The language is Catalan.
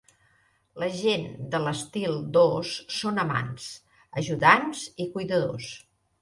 La gent de l'estil dos són amants, ajudants i cuidadors.